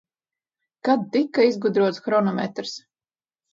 Kad tika izgudrots hronometrs?